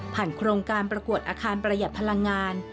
โครงการประกวดอาคารประหยัดพลังงาน